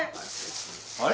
あれ？